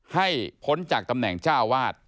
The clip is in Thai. พ้นจากตำแหน่งเจ้าวาด